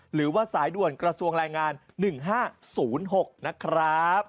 หรือว่าสายด่วนกระทรวงแรงงาน๑๕๐๖นะครับ